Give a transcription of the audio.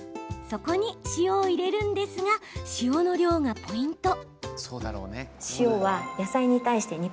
そこに塩を入れるんですが塩の量がポイント。